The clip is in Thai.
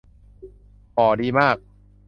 ห่อดีมาก